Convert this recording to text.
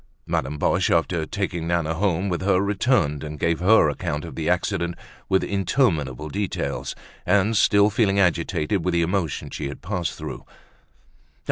Madame Boche, after taking Nana home with her, returned, and gave her account of the accident, with interminable details, and still feeling agitated with the emotion she had passed through.